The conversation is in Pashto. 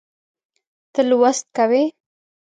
ته لوست کوې